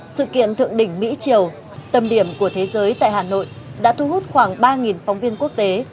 sự kiện thượng đỉnh mỹ triều tầm điểm của thế giới tại hà nội đã thu hút khoảng ba phóng viên quốc tế